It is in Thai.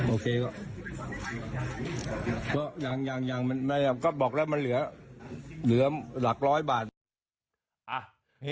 โอเคก็อย่างนายก็บอกแล้วมันเหลือหลักร้อยบาท